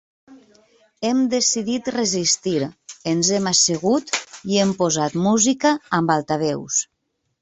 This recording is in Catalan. Hem decidit resistir, ens hem assegut i hem posat música amb altaveus.